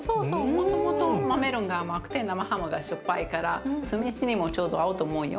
もともとメロンが甘くて生ハムがしょっぱいから酢飯にもちょうど合うと思うよ。